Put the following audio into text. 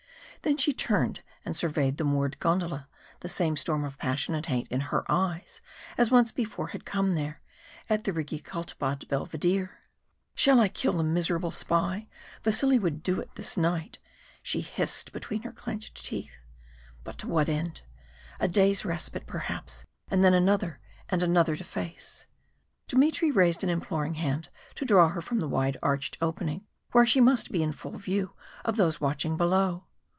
Then she turned and surveyed the moored gondola, the same storm of passion and hate in her eyes as once before had come there, at the Rigi Kaltbad Belvedere. "Shall I kill the miserable spy? Vasili would do it this night," she hissed between her clenched teeth. "But to what end? A day's respite, perhaps, and then another, and another to face." Dmitry raised an imploring hand to draw her from the wide arched opening, where she must be in full view of those watching below.